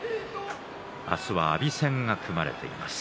明日は阿炎戦が組まれています。